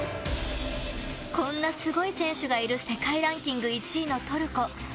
こんなすごい選手がいる世界ランキング１位のトルコ。